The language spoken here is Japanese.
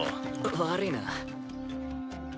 悪いな。